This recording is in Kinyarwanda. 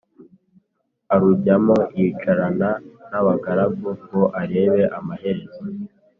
arujyamo yicarana n’abagaragu ngo arebe amaherezo.